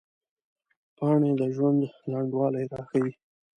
پاڼې د ژوند لنډوالي راښيي